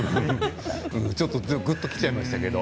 ちょっとぐっときちゃいましたけど。